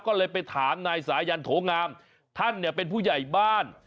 ก็เลยไปถามนายสายันโถงามท่านเนี่ยเป็นผู้ใหญ่บ้าน